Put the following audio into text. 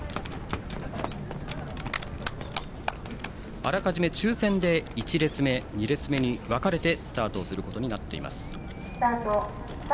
あらかじめ抽選で１列目、２列目に分かれてスタートすることになっています。